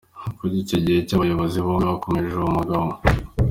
Kuva icyo gihe abayobozi bombi bakomeje uwo mubano.